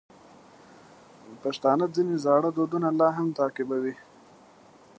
پښتانه ځینې زاړه دودونه لا هم تعقیبوي.